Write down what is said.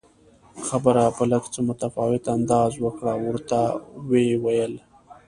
خبره په لږ څه متفاوت انداز وکړه او ورته ویې ویل